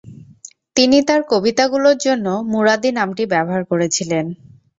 তিনি তাঁর কবিতাগুলির জন্য "মুরাদি" নামটি ব্যবহার করেছিলেন।